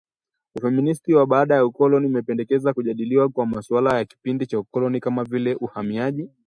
Ufeministi wa Baada-ukoloni umependekeza kujadiliwa kwa masuala ya kipindi cha ukoloni kama vile, uhamiaji